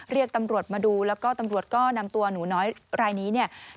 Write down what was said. เรียกตำรวจมาดูแล้วก็ตำรวจก็นำตัวหนูน้อยรายนี้เนี่ย